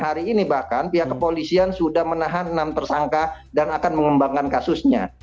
hari ini bahkan pihak kepolisian sudah menahan enam tersangka dan akan mengembangkan kasusnya